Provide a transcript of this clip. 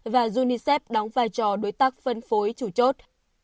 và unicef đóng vai trò đối tác phân phối chủ chốt